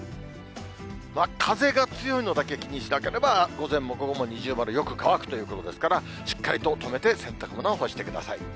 風が強いのだけ気にしなければ、午前も午後も二重丸、よく乾くということですから、しっかりととめて、洗濯物は干してください。